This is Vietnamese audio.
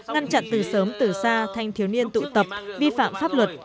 ngăn chặn từ sớm từ xa thanh thiếu niên tụ tập vi phạm pháp luật